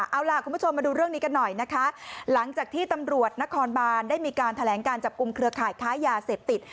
เอาล่ะคุณผู้ชมมาดูเรื่องนี้กันหน่อยนะคะหลังจากที่ตำรวจนครบานได้มีการแถลงการจับกลุ่มเครือข่ายค้ายาเสพติด